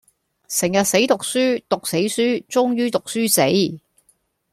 成日死讀書,讀死書,終於讀書死